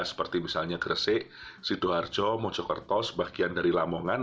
seperti misalnya gresik sidoarjo mojokerto sebagian dari lamongan